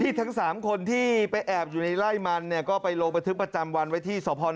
พี่ทั้งสามคนที่ไปแอบอยู่ในไล่มันเนี่ยก็ไปโรคบรรทึกประจำวันไว้ที่สพนังรอนะครับ